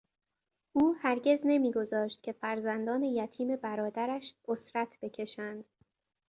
او هزگز نمیگذاشت که فرزندان یتیم برادرش، عسرت بکشند.